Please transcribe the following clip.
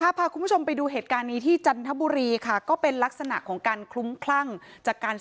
คาพาคุณผู้ชมไปดูเหตุการณ์นี้ที่จันทบุรีค่ะก็เป็นลักษณะของการ